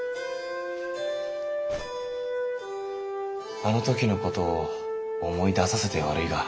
あの時のことを思い出させて悪いが。